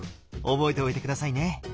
覚えておいて下さいね。